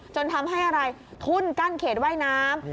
จนทำให้อะไรทุ่นกั้นเขตว่ายน้ำ